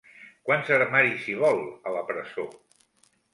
Quants armaris hi vol, a la presó?